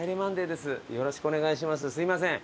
すいません。